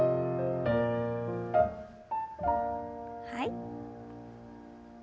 はい。